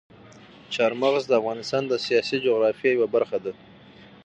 چار مغز د افغانستان د سیاسي جغرافیې یوه برخه ده.